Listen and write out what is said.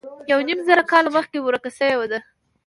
یو نیم زر کاله مخکې ورکه شوې ده.